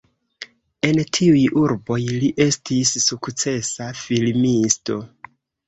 En tiuj urboj li estis sukcesa filmisto.